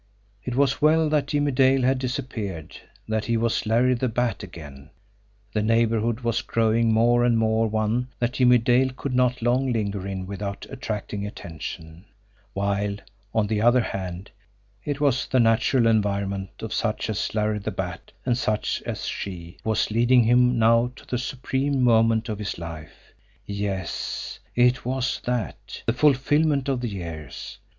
It was well that Jimmie Dale had disappeared, that he was Larry the Bat again the neighbourhood was growing more and more one that Jimmie Dale could not long linger in without attracting attention; while, on the other hand, it was the natural environment of such as Larry the Bat and such as she, who was leading him now to the supreme moment of his life. Yes, it was that the fulfillment of the years!